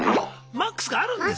マックスがあるんですか？